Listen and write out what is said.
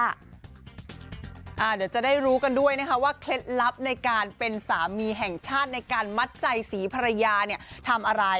เดี๋ยวจะได้รู้กันด้วยนะคะว่าเคล็ดลับในการเป็นสามีแห่งชาติในการมัดใจศรีภรรยาเนี่ยทำอะไร